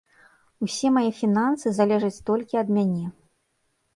Усе мае фінансы залежаць толькі ад мяне.